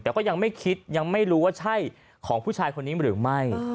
แต่ก็ยังไม่คิดยังไม่รู้ว่าใช่ของผู้ชายคนนี้หรือไม่